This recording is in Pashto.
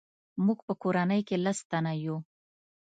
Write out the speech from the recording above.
موږ په کورنۍ کې لس تنه یو.